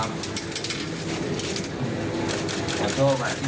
อารมณ์ชั่ววูปครับ